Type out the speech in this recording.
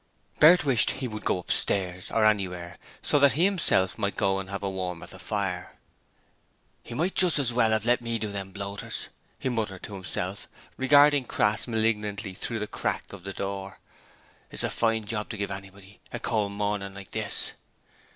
Bert wished he would go upstairs, or anywhere, so that he himself might go and have a warm at the fire. ''E might just as well 'ave let me do them bloaters,' he muttered to himself, regarding Crass malignantly through the crack of the door. 'This is a fine job to give to anybody a cold mornin' like this.'